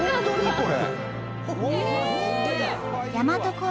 これ。